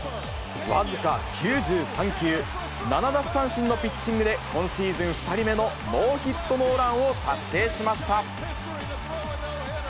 僅か９３球、７奪三振のピッチングで、今シーズン２人目のノーヒットノーランを達成しました。